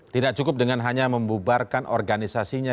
tidak cukup dengan hanya membubarkan organisasinya